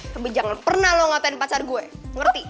tapi jangan pernah lo ngatain pacar gue ngerti